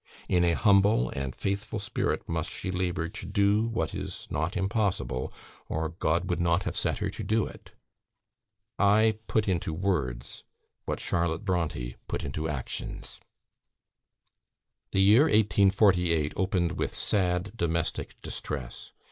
In an humble and faithful spirit must she labour to do what is not impossible, or God would not have set her to do it. I put into words what Charlotte Brontë put into actions. The year 1848 opened with sad domestic distress.